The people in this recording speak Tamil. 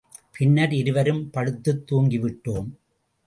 பின்னர் இருவரும் படுத்துத் துங்கிவிட்டோம்.